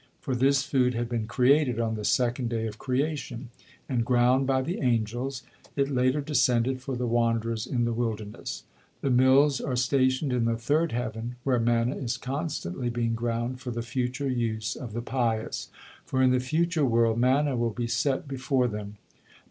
For this food had been created on the second day of creation, and ground by the angels, it later descended for the wanderers in the wilderness. The mills are stationed in the third heaven, where manna is constantly being ground for the future use of the pious; for in the future world manna will be set before them.